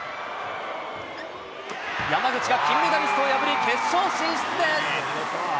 山口が金メダリストを破り、決勝進出です。